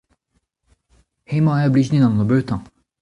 hemañ eo a blij din an nebeutañ.